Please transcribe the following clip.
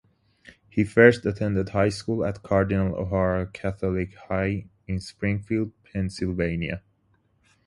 He first attended high school at Cardinal O'Hara Catholic High in Springfield, Pennsylvania.